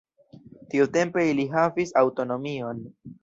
Tiutempe ili havis aŭtonomion.